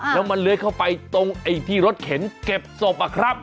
แล้วมันเลื้อยเข้าไปตรงไอ้ที่รถเข็นเก็บศพอะครับ